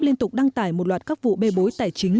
liên tục đăng tải một loạt các vụ bê bối tài chính